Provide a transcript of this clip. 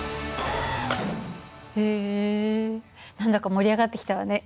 へえ何だか盛り上がってきたわね。